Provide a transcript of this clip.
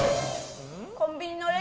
コンビニのレジ